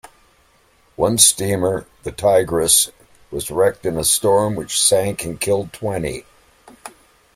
One steamer, the "Tigris", was wrecked in a storm which sank and killed twenty.